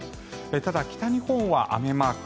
ただ、北日本は雨マーク。